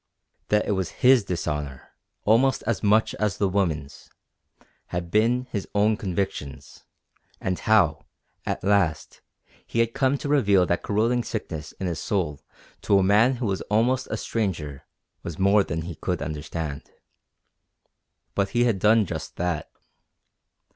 That it was his dishonour, almost as much as the woman's, had been his own conviction; and how, at last, he had come to reveal that corroding sickness in his soul to a man who was almost a stranger was more than he could understand. But he had done just that.